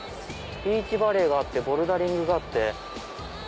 ビーチバレーがあってボルダリングがあって。